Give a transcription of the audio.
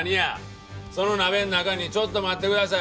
その鍋の中に「ちょっと待ってください。